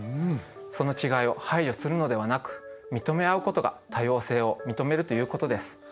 その違いを排除するのではなく認め合うことが多様性を認めるということです。